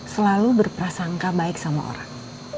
selalu berprasangka baik sama orang